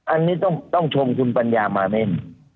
อันนี้ต้องชมคุณปัญญามาเล่น